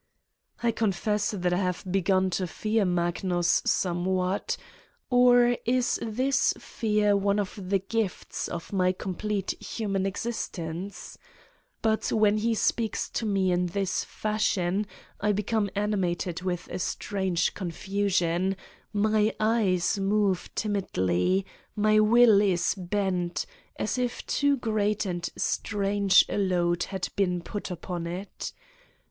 I confess that I have begun to fear Magnus somewhat ... or is this fear one of the gifts of my complete human existence ? But when he speaks to me in this fashion I become animated with a strange confusion, my eyes move timidly, my will is bent, as if too great and strange a load had been put upon it.